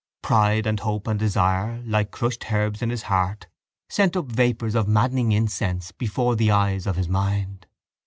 Pride and hope and desire like crushed herbs in his heart sent up vapours of maddening incense before the eyes of his mind.